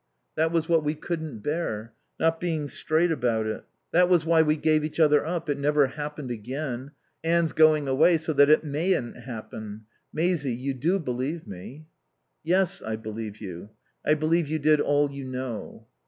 "That was what we couldn't bear. Not being straight about it. That was why we gave each other up. It never happened again. Anne's going away so that it mayn't happen.... Maisie you do believe me?" "Yes, I believe you. I believe you did all you knew."